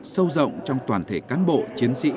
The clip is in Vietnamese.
sâu rộng trong toàn thể cán bộ chiến sĩ